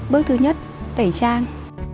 bước thứ nhất tẩy trang